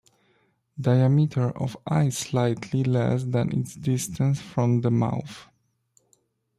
Diameter of eye slightly less than its distance from the mouth.